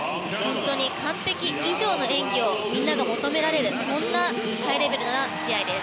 完璧以上の演技をみんなに求められるそんなハイレベルな試合です。